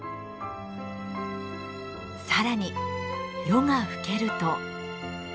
更に夜が更けると。